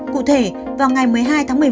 cụ thể vào ngày một mươi hai tháng một mươi một